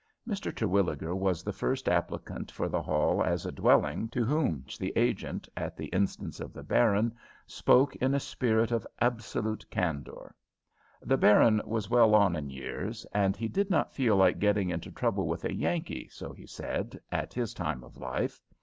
Mr. Terwilliger was the first applicant for the hall as a dwelling to whom the agent, at the instance of the baron, spoke in a spirit of absolute candor. The baron was well on in years, and he did not feel like getting into trouble with a Yankee, so he said, at his time of life.